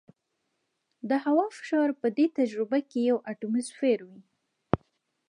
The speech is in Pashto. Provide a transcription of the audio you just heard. د هوا فشار په دې تجربه کې یو اټموسفیر وي.